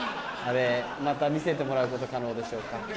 あれまた見せてもらうこと可能でしょうか？